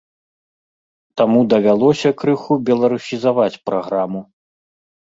Таму давялося крыху беларусізаваць праграму.